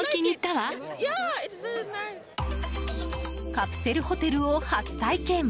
カプセルホテルを初体験。